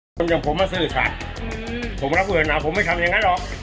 ก็ยังผมมาซื้อฉันอืมผมรับเวลาผมไม่ทำอย่างนั้นหรอก